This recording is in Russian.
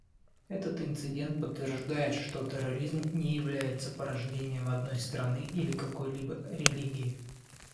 Этот инцидент подтверждает, что терроризм не является порождением одной страны или какой-либо религии.